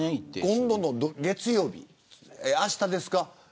今度の月曜日、あしたですか。